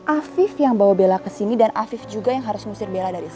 afif yang bawa bela ke sini dan afif juga yang harus ngusir bela dari sini